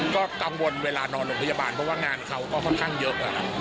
ก็กังวลเวลานอนโรงพยาบาลเพราะว่างานเขาก็ค่อนข้างเยอะ